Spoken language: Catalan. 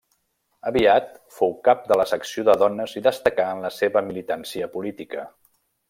Aviat fou cap de la secció de dones i destacà en la seva militància política.